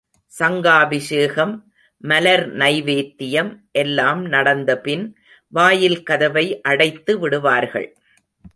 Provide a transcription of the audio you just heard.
சங்காபிஷேகம், மலர் நைவேத்தியம் எல்லாம் நடந்தபின் வாயில் கதவை அடைத்து விடுவார்கள்.